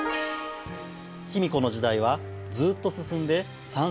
卑弥呼の時代はずっと進んで３世紀。